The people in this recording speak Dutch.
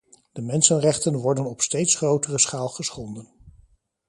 De mensenrechten worden op steeds grotere schaal geschonden.